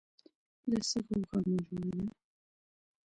دا څه غوغا مو جوړه ده